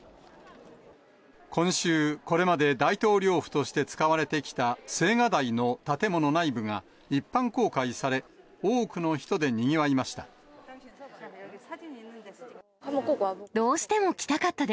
今週、これまで大統領府として使われてきた青瓦台の建物内部が一般公開され、多くの人でにぎわいました。